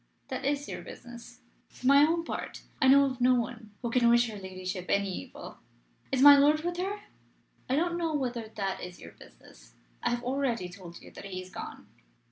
"That is your business. For my own part, I know of no one who can wish her ladyship any evil." "Is my lord with her?" "I don't know whether that is your business. I have already told you that he is gone.